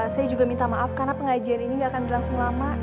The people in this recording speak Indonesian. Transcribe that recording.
saya juga minta maaf karena pengajian ini gak akan berlangsung lama